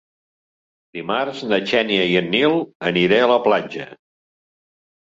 Dimarts na Xènia i en Nil aniré a la platja.